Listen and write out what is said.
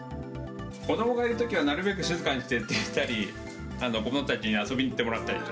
子どもがいるときはなるべく静かにしてって言ったり、子どもたちに遊びに行ってもらったりと。